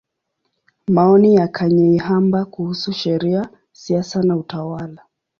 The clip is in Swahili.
Maoni ya Kanyeihamba kuhusu Sheria, Siasa na Utawala.